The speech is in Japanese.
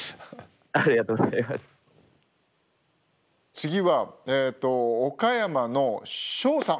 次は岡山のしょおさん。